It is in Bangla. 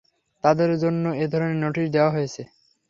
তাঁদের জন্য এ ধরনের নোটিশ দেওয়া হয়েছে।